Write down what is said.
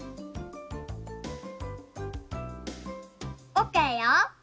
オッケーよ。